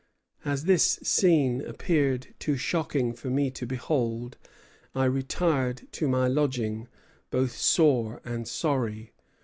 As this scene appeared too shocking for me to behold, I retired to my lodging, both sore and sorry.